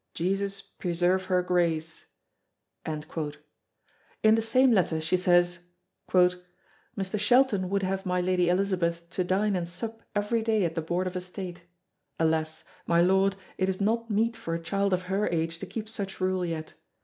Jesus preserve her Grace!" In the same letter she says "Mr. Shelton would have my Lady Elizabeth to dine and sup every day at the board of estate. Alas! my Lord it is not meet for a child of her age to keep such rule yet.